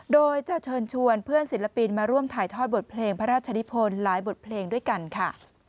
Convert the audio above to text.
โดยจะเชิญชวนเพื่อนศิลปินมาร่วมถ่ายทอดบทเพลงพระราชนิพลหลายบทเพลงด้วยกันค่ะ